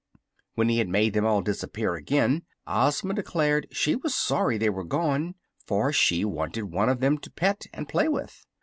When he had made them all disappear again Ozma declared she was sorry they were gone, for she wanted one of them to pet and play with.